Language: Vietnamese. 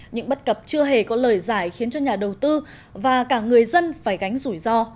những bất cập chưa hề có lời giải khiến cho nhà đầu tư và cả người dân phải gánh rủi ro